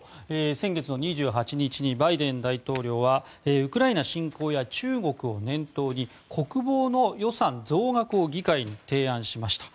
先月２８日にバイデン大統領はウクライナ侵攻や中国を念頭に国防の予算増額を議会に提案しました。